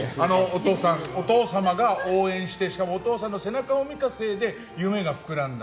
お父様が応援してしかもお父さんの背中を見たせいで夢が膨らんだ。